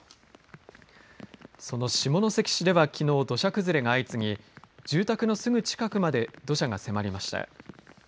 その下関市ではきのう土砂崩れが相次ぎ住宅のすぐ近くまで土砂が迫りました。